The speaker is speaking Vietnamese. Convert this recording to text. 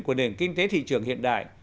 của nền kinh tế thị trường hiện đại